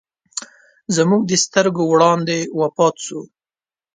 زموږ د سترګو وړاندې وفات سو.